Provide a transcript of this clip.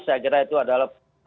saya kira itu adalah